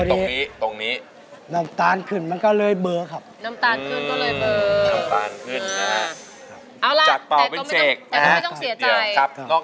เดี๋ยวผมบอกให้ครับ